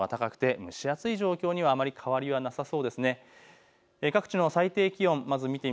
湿度が高くて蒸し暑い状況にあまり変わりはなさそうです。